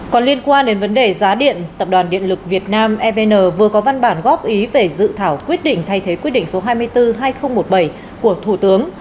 còn liên quan đến vấn đề giá điện tập đoàn điện lực việt nam evn vừa có văn bản góp ý về dự thảo quyết định thay thế quyết định số hai mươi bốn hai nghìn một mươi bảy của thủ tướng